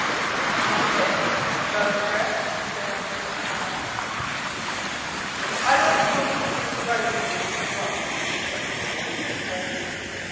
"Not a bit; have you got a chair?" said Andrews smiling. "I don't suppose it was just right of me to wake you up, but you see it was this way....